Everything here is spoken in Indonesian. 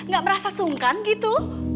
gak merasa sungkan gitu